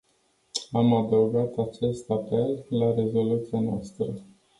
Am adăugat acest apel la rezoluția noastră.